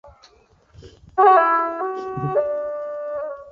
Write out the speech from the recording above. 裂叶金盏苣苔为苦苣苔科金盏苣苔属下的一个种。